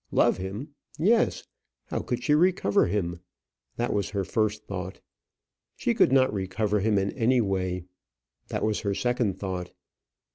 Love him! Yes! How could she recover him? That was her first thought. She could not recover him in any way. That was her second thought.